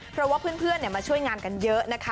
เพราะว่าเพื่อนมาช่วยงานกันเยอะนะคะ